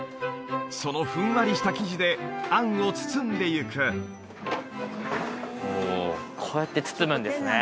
そのふんわりした生地で餡を包んでいくおおこうやって包むんですね